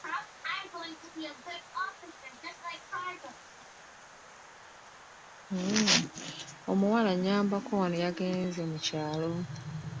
Omuwala anyambako wano yagenze mu kyalo.